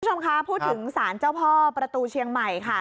คุณผู้ชมคะพูดถึงสารเจ้าพ่อประตูเชียงใหม่ค่ะ